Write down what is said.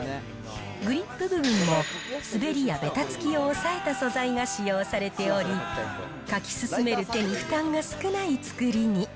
グリップ部分も滑りやべたつきを抑えた素材が使用されており、書き進める手に負担が少ない作りに。